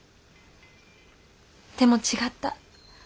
でも違った。